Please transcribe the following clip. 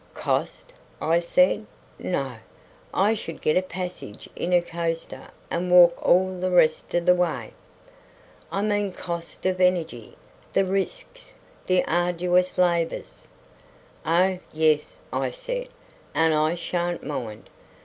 "Cost!" I said. "No. I should get a passage in a coaster and walk all the rest of the way." "I mean cost of energy: the risks, the arduous labours?" "Oh, yes," I said; "and I sha'n't mind.